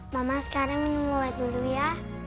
mama sekarang minum wad dulu ya